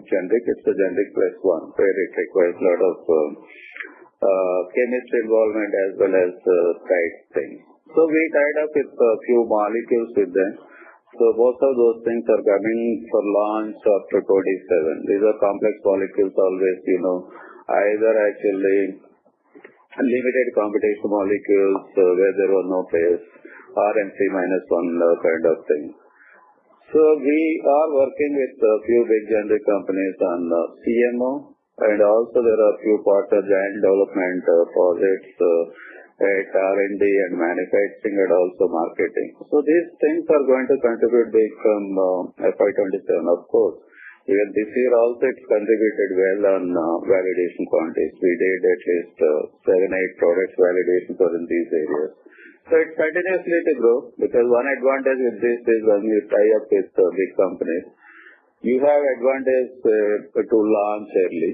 E: generic. It's a generic plus one, where it requires a lot of chemistry involvement as well as type thing. We tied up with a few molecules with them. Both of those things are coming for launch after 2027. These are complex molecules, always, either actually limited competition molecules where there were no base or NCE-1 kind of thing. We are working with a few big generic companies on CMO, and also there are few partner joint development projects, R&D and manufacturing and also marketing. These things are going to contribute big from FY 2027, of course. Even this year also, it's contributed well on validation quantities. We did at least seven, eight products validation for these areas. It's continuously to grow because one advantage with this is when you tie up with big companies, you have advantage to launch early,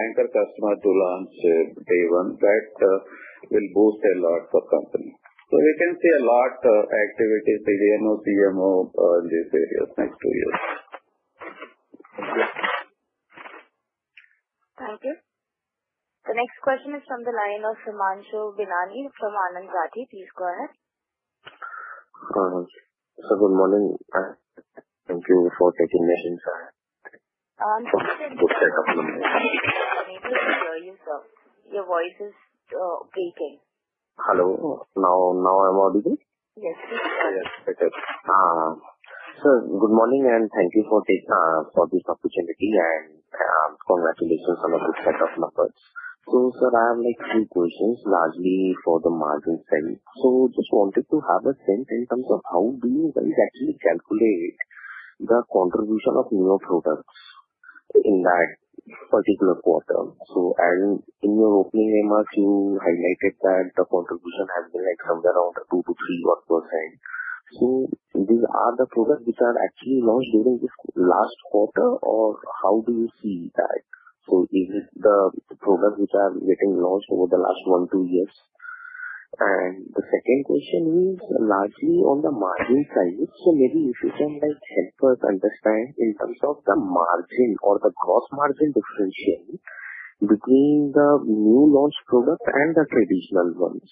E: anchor customer to launch day one. That will boost a lot for company. You can see a lot activities, CDMO, CMO in these areas next two years.
A: Thank you. The next question is from the line of Sumanshu Gilani from Anand Rathi. Please go ahead.
K: Sir, good morning. Thank you for taking my question, sir.
A: We cannot hear you, sir. Your voice is breaking.
K: Hello. Now I'm audible?
A: Yes.
K: Yes, better. Sir, good morning and thank you for this opportunity, and congratulations on the good set of numbers. Sir, I have two questions, largely for the margin side. Just wanted to have a sense in terms of how do you guys actually calculate the contribution of new products in that particular quarter? In your opening remarks, you highlighted that the contribution has been somewhere around 2%-3%. These are the products which are actually launched during this last quarter, or how do you see that? Is it the products which are getting launched over the last one, two years? The second question is largely on the margin side. Maybe if you can help us understand in terms of the margin or the gross margin differentiation between the new launch product and the traditional ones.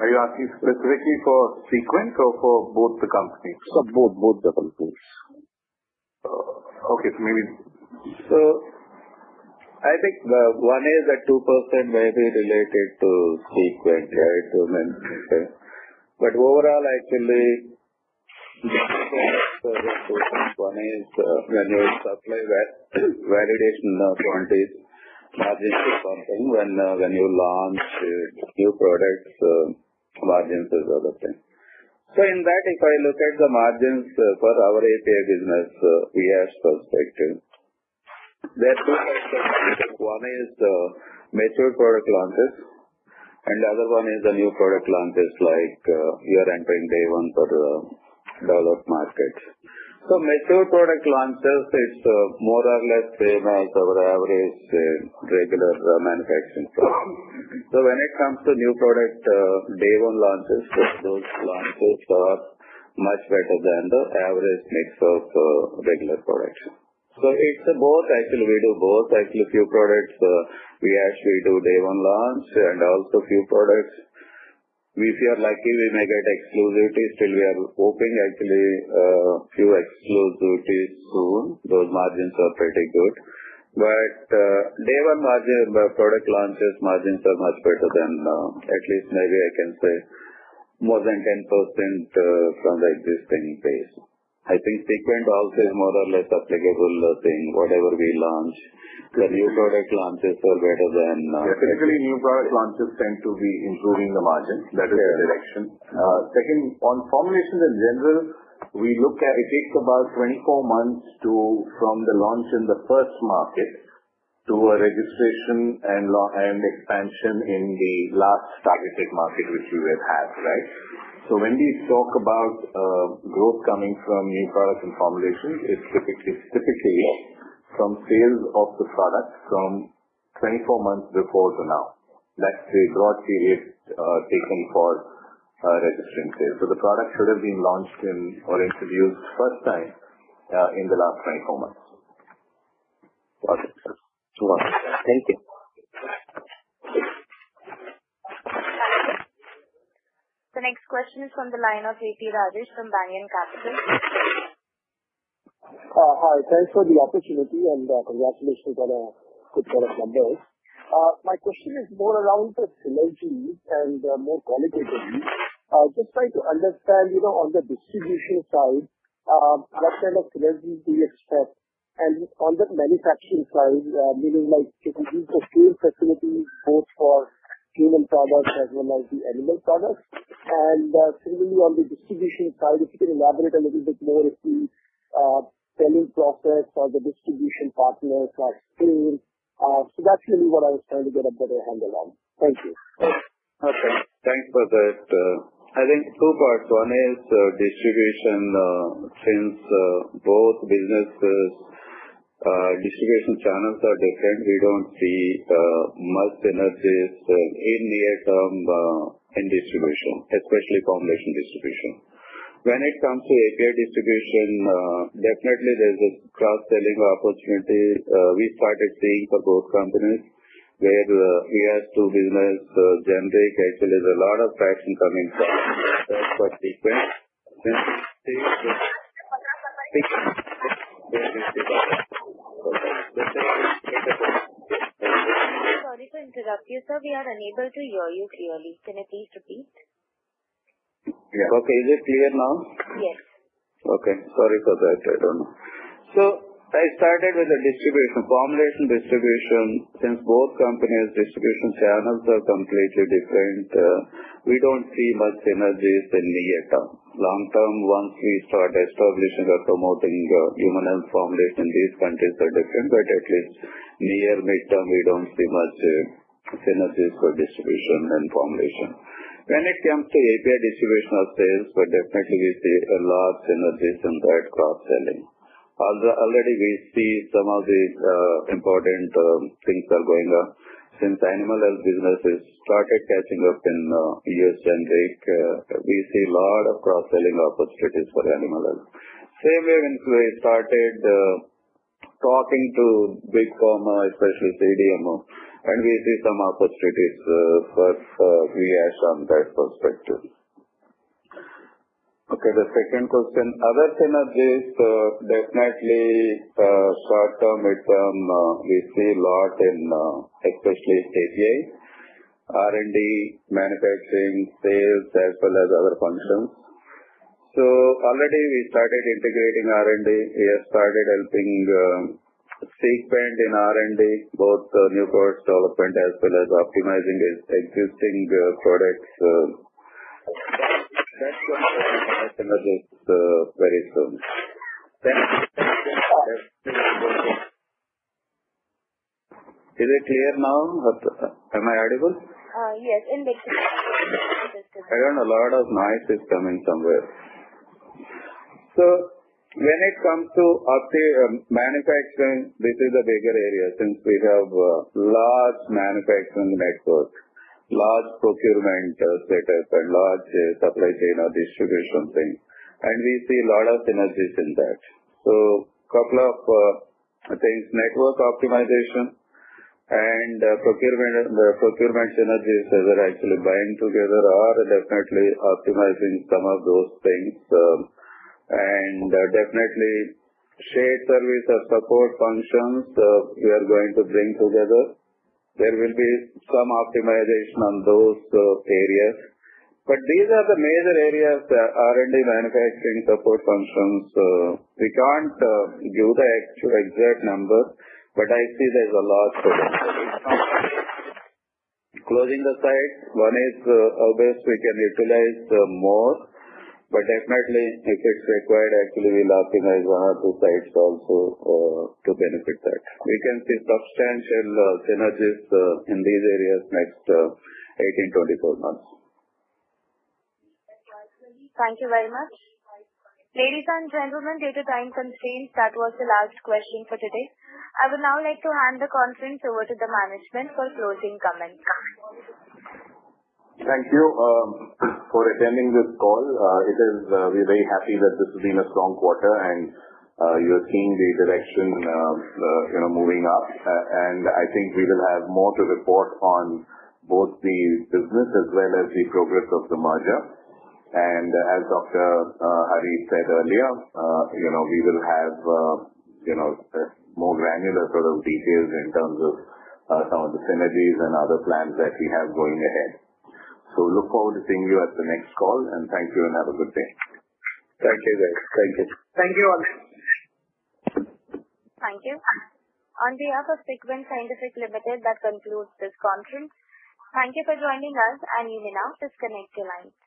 E: Are you asking specifically for Sequent or for both the companies?
K: For both the companies.
E: I think one is the 2% may be related to Sequent, right? Overall, actually, one is when you supply that validation quantities, margins is something. When you launch new products, margins is other thing. In that, if I look at the margins for our API business, Viyash perspective, there are two types of margins. One is mature product launches, and the other one is the new product launches like you are entering day one for developed markets. Mature product launches is more or less same as our average regular manufacturing product. When it comes to new product, day one launches, those launches are much better than the average mix of regular products. It's both actually. We do both. Actually, few products, we actually do day one launch and also few products. We feel lucky we may get exclusivity. We are hoping actually, few exclusivity soon. Those margins are pretty good. Day one product launches margins are much better than, at least maybe I can say more than 10% from the existing base. I think Sequent also is more or less applicable thing. Whatever we launch, the new product launches are better than.
C: Typically, new product launches tend to be improving the margins. That is the direction. Second, on formulations in general, it takes about 24 months from the launch in the first market. To a registration and expansion in the last targeted market which we have had. When we talk about growth coming from new products and formulations, it's typically from sales of the product from 24 months before to now. That's the broad period taken for registering sales. The product should have been launched in or introduced first time in the last 24 months.
K: Got it, sir. Thank you.
A: The next question is from the line of V. P. Rajesh from Banyan Capital.
L: Hi. Thanks for the opportunity and congratulations on a good set of numbers. My question is more around the synergies and more qualitatively. Just trying to understand on the distribution side, what kind of synergies do you expect? On the manufacturing side, giving like synergies for scale facility, both for human products as well as the animal products. Similarly, on the distribution side, if you can elaborate a little bit more if the selling process or the distribution partners have scaled. That's really what I was trying to get a better handle on. Thank you.
E: Okay. Thanks for that. I think two parts. One is distribution. Since both businesses' distribution channels are different, we don't see much synergies in near term in distribution, especially formulation distribution. When it comes to API distribution, definitely there's a cross-selling opportunity we started seeing for both companies where PS2 business, generic, HCl, there's a lot of traction coming from.
A: Sorry to interrupt you, sir. We are unable to hear you clearly. Can you please repeat?
E: Okay. Is it clear now?
A: Yes.
E: Okay. Sorry for that. I don't know. I started with the distribution, formulation distribution. Since both companies' distribution channels are completely different, we don't see much synergies in near term. Long term, once we start establishing or promoting human health formulation, these countries are different, but at least near mid-term, we don't see much synergies for distribution and formulation. When it comes to API distribution or sales, definitely we see a large synergies in that cross-selling. Although already we see some of the important things are going on. Since animal health business has started catching up in U.S. generic, we see lot of cross-selling opportunities for animal health. Same way when we started talking to big pharma, especially CDMO, we see some opportunities for PS on that perspective. Okay, the second question. Other synergies, definitely short term, mid-term, we see a lot in especially API, R&D, manufacturing, sales, as well as other functions. Already we started integrating R&D. We have started helping Sequent in R&D, both new product development as well as optimizing its existing products. Is it clear now? Am I audible?
A: Yes.
E: I don't know. A lot of noise is coming somewhere. When it comes to manufacturing, this is a bigger area since we have a large manufacturing network, large procurement setup, and large supply chain or distribution thing, and we see a lot of synergies in that. Couple of things, network optimization and procurement synergies that are actually bind together are definitely optimizing some of those things. Definitely, shared service or support functions we are going to bring together. There will be some optimization on those areas. These are the major areas, R&D, manufacturing, support functions. We can't give the actual exact number, but I see there's a lot. Closing the sites, one is obvious we can utilize more, but definitely if it's required, actually, we'll optimize one or two sites also to benefit that. We can see substantial synergies in these areas next 18-24 months.
A: Thank you very much. Ladies and gentlemen, due to time constraints, that was the last question for today. I would now like to hand the conference over to the management for closing comments.
C: Thank you for attending this call. We're very happy that this has been a strong quarter and you're seeing the direction moving up. I think we will have more to report on both the business as well as the progress of the merger. As Dr. Hari said earlier, we will have more granular sort of details in terms of some of the synergies and other plans that we have going ahead. Look forward to seeing you at the next call, and thank you, and have a good day.
E: Thank you, guys. Thank you.
M: Thank you all.
A: Thank you. On behalf of Sequent Scientific Limited, that concludes this conference. Thank you for joining us, and you may now disconnect your lines.